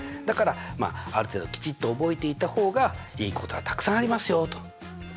だからある程度きちっと覚えていた方がいいことがたくさんありますよと。